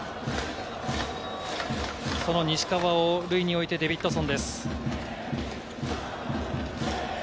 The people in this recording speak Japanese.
その西川を塁に置いて、デビッドソンです。